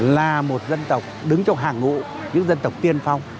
là một dân tộc đứng trong hàng ngụ những dân tộc tiên phong